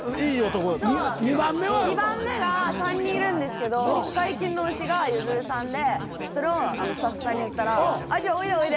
２番目が３人いるんですけど最近の推しがゆずるさんでそれをスタッフさんに言ったらじゃあおいでおいでっつって。